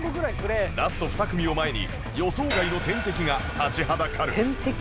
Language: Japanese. ラスト２組を前に予想外の天敵が立ちはだかる天敵？